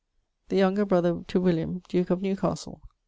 the younger brother to William, duke of Newcastle.